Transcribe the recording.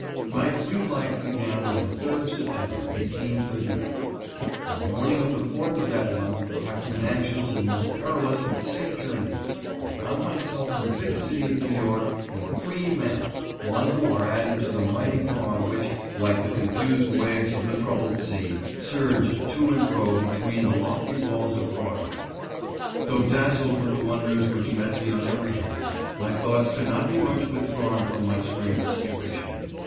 My free life began on the third of September, 1838. On the morning of the fourth of that month, after an anxious and most perilous but safe journey, I found myself in the big city of New York, a free man—one more added to the mighty throng which, like the confused waves of the troubled sea, surged to and fro between the lofty walls of Broadway. Though dazzled with the wonders which met me on every hand, my thoughts could not be much withdrawn from my strange situation.